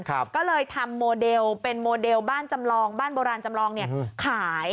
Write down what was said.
ก็เลยทำโมเดลเป็นโมเดลบ้านจำลองบ้านโบราณจำลองเนี่ยขาย